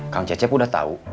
kang cecep udah tau